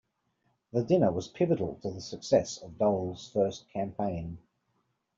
The dinner was pivotal to the success of Dole's first campaign.